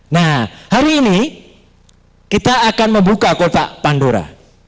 nah hari ini kita akan membuka kota pandora